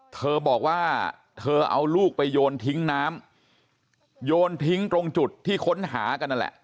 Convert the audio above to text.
เธอบอกว่าเธอเอาลูกไปโยนทิ้งน้ำโยนทิ้งตรงจุดที่ค้นหากันนั่นแหละ